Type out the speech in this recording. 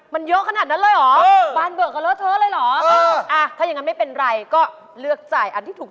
มันเยอะขนาดนั้นเลยหรอ